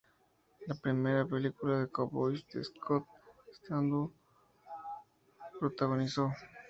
Fue la primera película de cowboys que Scott Eastwood protagonizó.